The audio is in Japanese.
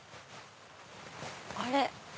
あれ？